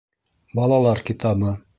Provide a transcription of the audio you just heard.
Балалар китабы.